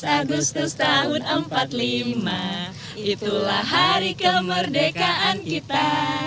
tujuh belas agustus tahun empat puluh lima itulah hari kemerdekaan kita